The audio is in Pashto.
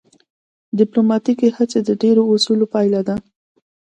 ډیپلوماتیکې هڅې د ډیرو اصولو پایله ده